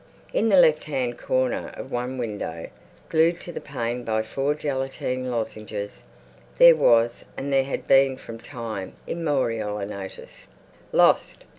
In the left hand corner of one window, glued to the pane by four gelatine lozenges, there was—and there had been from time immemorial—a notice. LOST!